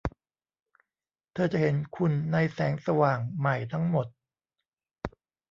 เธอจะเห็นคุณในแสงสว่างใหม่ทั้งหมด